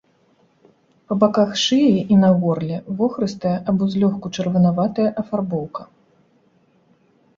Па баках шыі і на горле вохрыстая або злёгку чырванаватая афарбоўка.